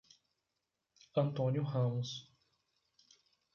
Antônio Ramos